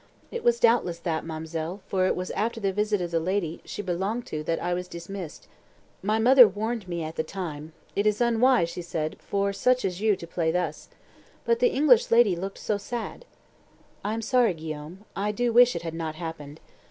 "It was doubtless that, ma'm'selle, for it was after the visit of the lady she belonged to that I was dismissed. My mother warned me at the time. 'It is unwise,' she said, 'for such as you to play thus.' But the little English lady looked so sad." "I am sorry, Guillaume. I do wish it had not happened."